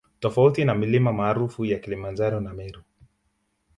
Tofauti na milima maarufu ya Kilimanjaro na Meru